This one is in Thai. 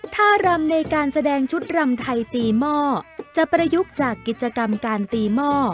ท่ารำในการแสดงชุดรำไทยตีหม้อจะประยุกต์จากกิจกรรมการตีหม้อ